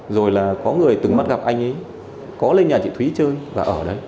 rồi là có người từng bắt gặp anh ấy có lên nhà chị thúy chơi và ở đấy